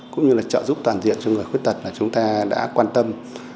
cũng như là trợ giúp toàn diện cho người khuyết tật là chúng ta đã quan tâm